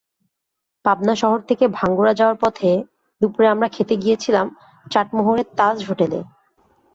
পাবনা শহর থেকে ভাঙ্গুড়া যাওয়ার পথে দুপুরে আমরা খেতে গিয়েছিলাম চাটমোহরের তাজ হোটেলে।